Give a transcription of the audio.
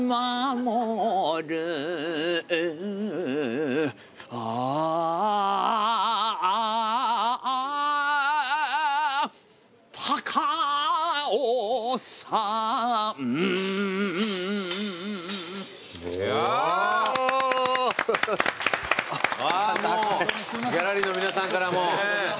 もうギャラリーの皆さんからも。